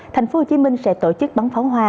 thành phố hồ chí minh sẽ tổ chức bóng phóng hoa